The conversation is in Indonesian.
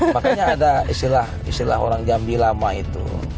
makanya ada istilah orang jambi lama itu